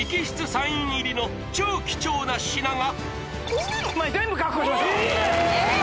サイン入りの超貴重な品が！